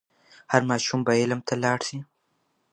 هر ماشوم به علم ته لاړ سي.